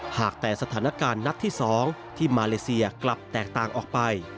หากแต่สถานการณ์นัดที่๒ที่มาเลเซียกลับแตกต่างออกไป